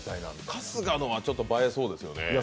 春日のは、ちょっと映えそうですよね。